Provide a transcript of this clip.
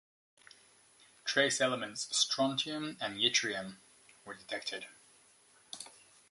Trace elements, strontium and yttrium, were detected.